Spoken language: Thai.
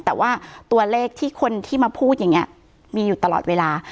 แต่ว่าตัวเลขที่คนที่มาพูดอย่างนี้มีอยู่ตลอดเวลา